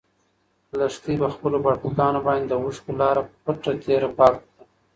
لښتې په خپلو باړخوګانو باندې د اوښکو لاره په پټه تېره پاکه کړه.